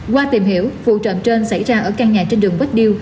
qua tìm hiểu vụ trộm trên xảy ra ở căn nhà trên đường vách điêu